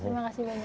terima kasih banyak